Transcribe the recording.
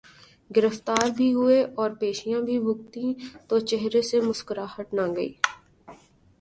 گرفتار بھی ہوئے اورپیشیاں بھی بھگتیں تو چہرے سے مسکراہٹ نہ گئی۔